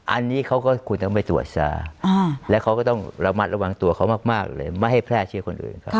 อันนี้เขาก็ควรต้องไปตรวจซะแล้วเขาก็ต้องระมัดระวังตัวเขามากเลยไม่ให้แพร่เชื้อคนอื่นครับ